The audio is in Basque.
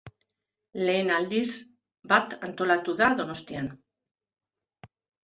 Lehen aldiz bat antolatu da Donostian.